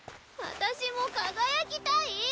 私も輝きたい！